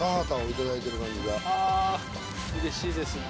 △うれしいです。